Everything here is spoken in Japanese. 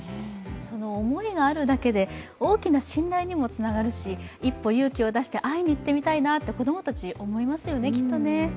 その思いがあるだけで、大きな信頼にもつながるし一歩、勇気を出して会いに行ってみようと子供たちも思いますよね。